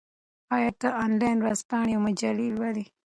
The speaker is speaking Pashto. آیا ته انلاین ورځپاڼې او مجلې لولې؟